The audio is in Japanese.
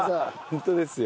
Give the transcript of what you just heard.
ホントですよ。